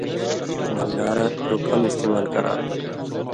بھݩگارہ چو کم استعمال کراتھہ۔